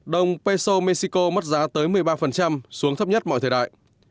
đồng peso mexico mất giá tới một mươi ba xuống thấp nhất mọi thời đại